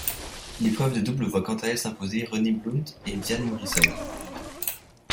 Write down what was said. L'épreuve de double voit quant à elle s'imposer Rene Blount et Dianne Morrison.